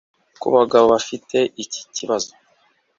Ku bagabo bafite iki kibazo